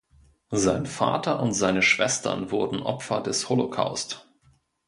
Sein Vater und seine Schwestern wurden Opfer des Holocaust.